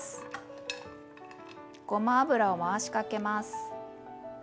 ごま油を回しかけます。